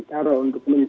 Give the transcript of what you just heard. padahal modal kami terbatas